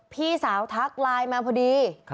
พี่สาวทักไลน์มาพอดี